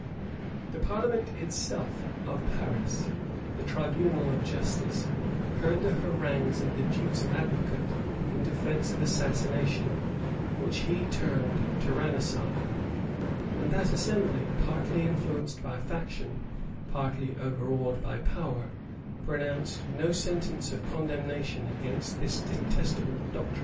[*]* Le Laboureur, liv. xxvii. chap. 23, 24. The parliament itself of Paris, the tribunal of justice, heard the harangues of the duke's advocate in defence of assassination, which he termed tyrannicide; and that assembly, partly influenced by faction, partly overawed by power, pronounced no sentence of condemnation against this detestable doctrine.